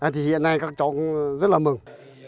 thì hiện nay các cháu cũng rất là mừng